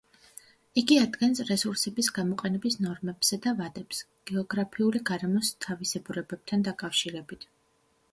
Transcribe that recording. იგი ადგენს რესურსების გამოყენების ნორმებსა და ვადებს გეოგრაფიული გარემოს თავისებურებებთან დაკავშირებით.